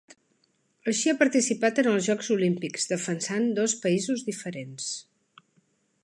Així ha participat en els Jocs Olímpics, defensant dos països diferents.